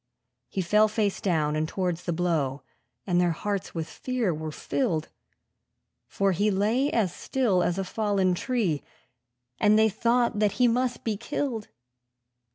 He fell face down, and towards the blow; and their hearts with fear were filled, For he lay as still as a fallen tree, and they thought that he must be killed.